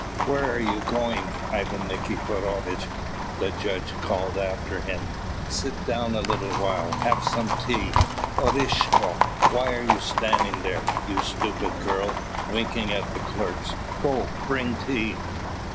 "Where are you going, Ivan Nikiforovitch?" the judge called after him. "Sit down a little while. Have some tea. Orishko, why are you standing there, you stupid girl, winking at the clerks? Go, bring tea."